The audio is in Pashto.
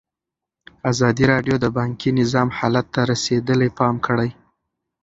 ازادي راډیو د بانکي نظام حالت ته رسېدلي پام کړی.